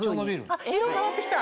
色変わってきた！